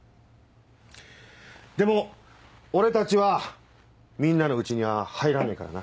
でも俺たちは「みんな」のうちには入らねえからな。